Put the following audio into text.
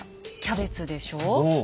キャベツでしょう？